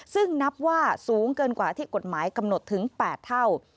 ซึ่งนับว่าสูงเกินกว่าที่กฎหมายกำหนดถึง๘เท่า